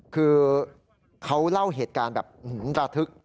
คือเขาเล่าเหตุการณ์แบบระทึก